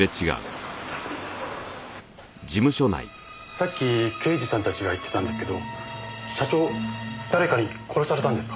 さっき刑事さんたちが言ってたんですけど社長誰かに殺されたんですか？